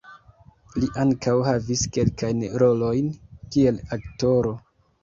Li ankaŭ havis kelkajn rolojn kiel aktoro.